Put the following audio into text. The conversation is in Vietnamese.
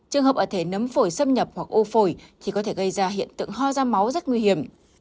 trường hợp ở thể nấm phổi xâm nhập hoặc ô phổi thì có thể gây ra hiện tượng ho ra máu rất nguy hiểm